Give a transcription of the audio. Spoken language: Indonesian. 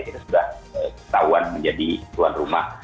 kita sudah ketahuan menjadi tuan rumah